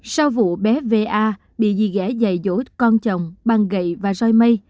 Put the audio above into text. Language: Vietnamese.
sau vụ bé v a bị dì ghẻ dày dỗi con chồng băng gậy và roi mây